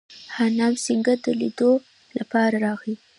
هرنام سینګه د لیدلو لپاره راغی.